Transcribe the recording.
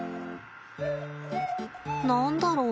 何だろう？